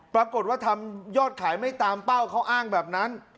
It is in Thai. ปรากฏว่าทำยอดขายไม่ตามเป้าเขาอ้างแบบนั้น